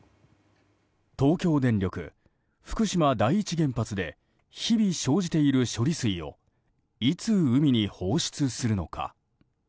東京電力福島第一原発で日々、生じている処理水をいつ、海に放出するのか。